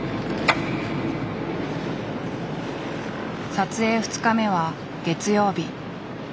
撮影２日目は月曜日。